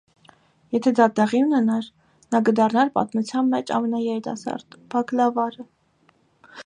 Եթե դա տեղի ունենար, նա կդառնար պատմության մեջ ամենաերիտասարդ բակլավարը։